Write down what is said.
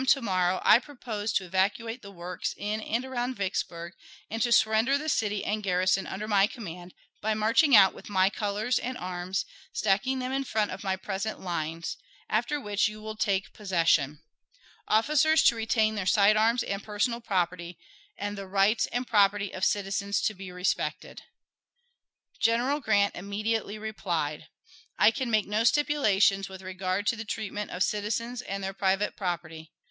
to morrow I propose to evacuate the works in and around Vicksburg, and to surrender the city and garrison under my command by marching out with my colors and arms, stacking them in front of my present lines, after which you will take possession. Officers to retain their side arms and personal property, and the rights and property of citizens to be respected. General Grant immediately replied: I can make no stipulations with regard to the treatment of citizens and their private property....